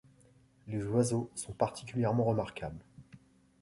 Les oiseaux sont particulièrement remarquables.